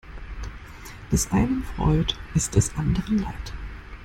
Des einen Freud ist des anderen Leid.